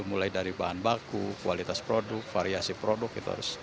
itu mulai dari bahan baku kualitas produk variasi produk